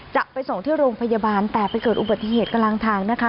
จะไปส่งที่โรงพยาบาลแต่ไปเกิดอุบัติเหตุกลางทางนะคะ